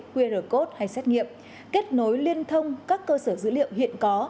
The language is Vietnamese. qr code hay xét nghiệm kết nối liên thông các cơ sở dữ liệu hiện có